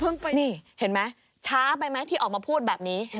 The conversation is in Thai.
นี่เห็นไหมช้าไปไหมที่ออกมาพูดแบบนี้